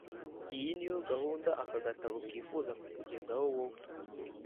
iyo ni yo gahunda aka gatabo kifuza kukugezaho wowe